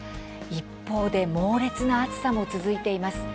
一方で猛烈な暑さも続いています。